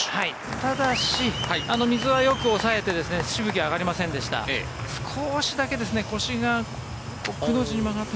ただし、水はよく抑えて水しぶきは上がりませんでした。